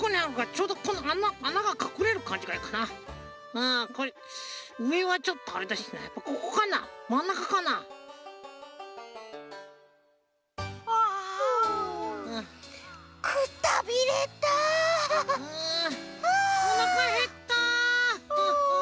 ううおなかへった。